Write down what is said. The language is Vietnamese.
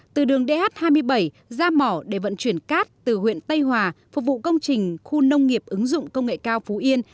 từ đường dh hai mươi bảy ra mỏ để vận chuyển cát từ huyện tây hòa phục vụ công trình khu nông nghiệp ứng dụng công nghệ cao phú yên